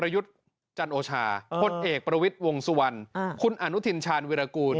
บนกิจกรรมกันวัดอ่ะ